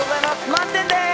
満点です！